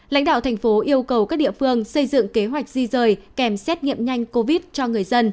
lãnh đạo thành phố yêu cầu các địa phương xây dựng kế hoạch di rời kèm xét nghiệm nhanh covid cho người dân